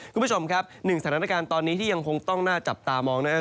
คุณผู้ชมครับหนึ่งสถานการณ์ตอนนี้ที่ยังคงต้องน่าจับตามองนะครับ